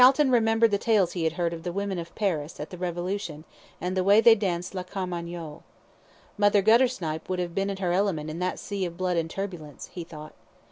Calton remembered the tales he had heard of the women of Paris, at the revolution, and the way they danced "La Carmagnole." Mother Guttersnipe would have been in her element in that sea of blood and turbulence he thought.